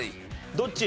どっち？